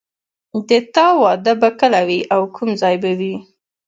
د تا واده به کله وي او کوم ځای به وي